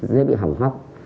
dễ bị hỏng hóc